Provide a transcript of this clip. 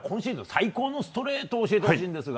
最高のストレートを教えてほしいのですが。